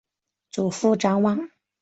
祖父张旺。